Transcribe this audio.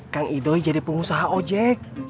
kang idoi jadi pengusaha ojek